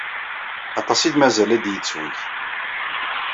Aṭas ay mazal ad yettweg.